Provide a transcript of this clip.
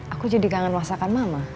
aku jadi kangen masakan mama